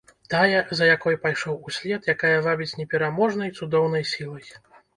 Тая, за якой пайшоў услед, якая вабіць непераможнай, цудоўнай сілай.